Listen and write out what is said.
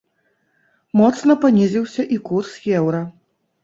Моцна панізіўся і курс еўра.